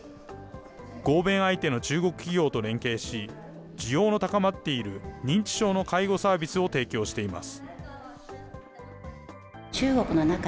合弁相手の中国企業と連携し、需要の高まっている認知症の介護サービスを提供しています。